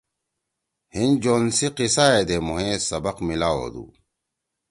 ہیِن جوند سی قصّا ئے دے مھوئے سبق میلاؤ ہودُو